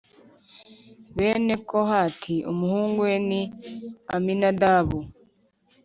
Bene Kohati umuhungu we ni Aminadabu .